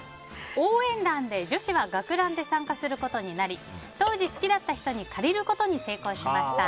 応援団で女子は学ランで参加することになり当時好きだった人に借りることに成功しました。